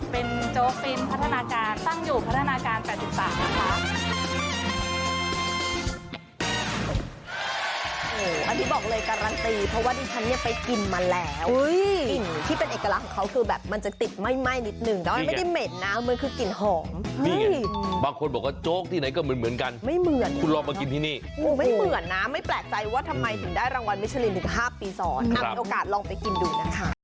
เป็นโจ๊กฟินพัฒนาการตั้งอยู่พัฒนาการ๘๓นะคะ